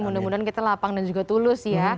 mudah mudahan kita lapang dan juga tulus ya